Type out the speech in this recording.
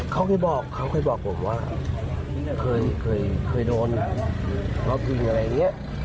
เขาเคยบอกเขาเคยบอกผมว่าเคยโดนเขายิงอะไรอย่างนี้